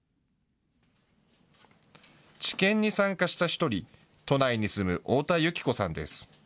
治験に参加した１人、都内に住む太田有紀子さんです。